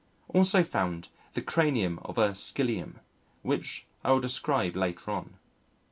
Also found the cranium of a Scyllium, which I will describe later on.